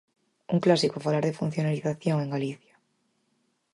Un clásico falar de funcionarización en Galicia.